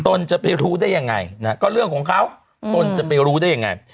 จะไปรู้ได้ยังไงนะฮะก็เรื่องของเขาตนจะไปรู้ได้ยังไง